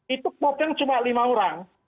itu pokeng cuma lima orang